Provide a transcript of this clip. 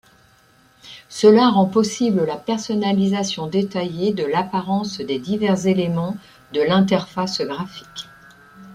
Cela rend possible la personnalisation détaillée de l'apparence des divers éléments de l'interface graphique.